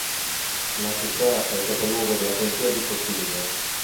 La città è il capoluogo della contea di Cochise.